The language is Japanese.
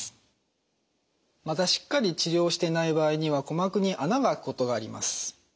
またしっかり治療していない場合には鼓膜に穴が開くことがあります。